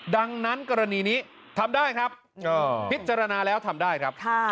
ดังนั้นกรณีนี้ทำได้ครับพิจารณาแล้วทำได้ครับ